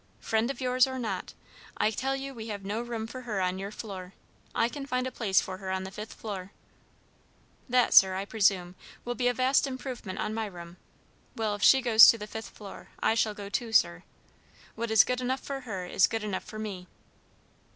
"Friend of yours, or not, I tell you we have no room for her on your floor. I can find a place for her on the fifth floor." "That, sir, I presume, will be a vast improvement on my room. Well, if she goes to the fifth floor, I shall go too, sir. What is good enough for her is good enough for me."